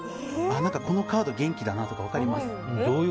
このカード、元気だなとか分かります。